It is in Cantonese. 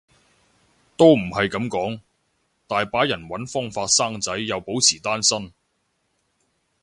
都唔係噉講，大把人搵方法生仔又保持單身